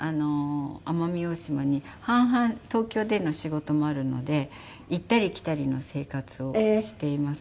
奄美大島に半々東京での仕事もあるので行ったり来たりの生活をしています。